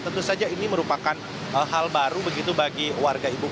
tentu saja ini merupakan hal baru begitu bagi warga